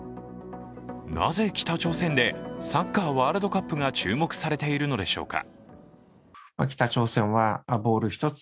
なぜ、北朝鮮でサッカーワールドカップが注目されているのでしょうか。